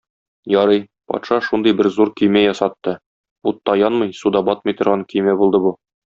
Ярый, патша шундый бер зур көймә ясатты: утта янмый, суда батмый торган көймә булды бу.